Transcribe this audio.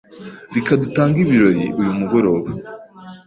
Reka dutange ibirori uyu mugoroba.